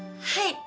はい。